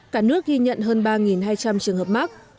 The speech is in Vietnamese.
cả nước ghi nhận hơn ba hai trăm linh trường hợp mắc